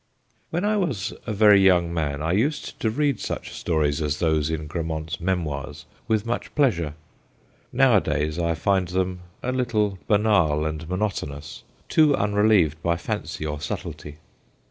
When I was a very young man I used to read such stories as those in Grarnmont's memoirs with much pleasure. Nowadays I find them a little banal and monotonous, too unrelieved by fancy or subtlety.